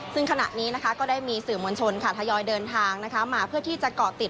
ซึ่งขณะนี้นะคะก็ได้มีสื่อมวลชนทยอยเดินทางมาเพื่อที่จะเกาะติด